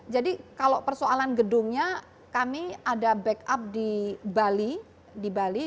jadi kalau persoalan gedungnya kami ada backup di bali